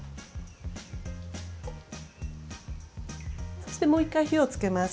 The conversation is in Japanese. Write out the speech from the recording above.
そしてもう一回火をつけます。